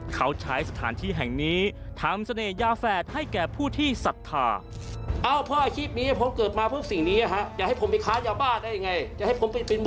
เขาใช้สถานที่แห่งนี้ทำเสน่หยาแฝดให้แก่ผู้ที่ศรัทธา